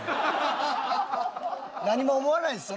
何も思わないんですよね？